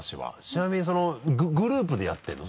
ちなみにグループでやってるの？